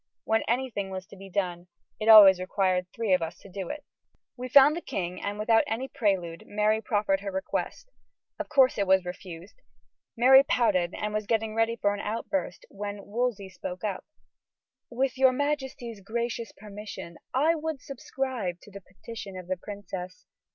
When anything was to be done, it always required three of us to do it. We found the king, and without any prelude, Mary proffered her request. Of course it was refused. Mary pouted, and was getting ready for an outburst, when Wolsey spoke up: "With your majesty's gracious permission, I would subscribe to the petition of the princess.